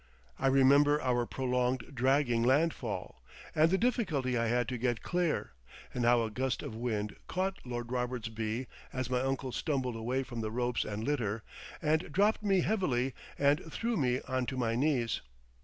I remember our prolonged dragging landfall, and the difficulty I had to get clear, and how a gust of wind caught Lord Roberts B as my uncle stumbled away from the ropes and litter, and dropped me heavily, and threw me on to my knees.